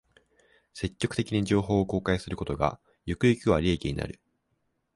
積極的に情報を公開することが、ゆくゆくは利益になる